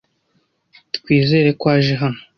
Twizera ko aje hano.